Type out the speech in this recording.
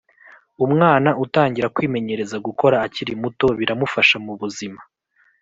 Umwana utangira kwimenyereza gukora akiri muto biramufasha mubuzima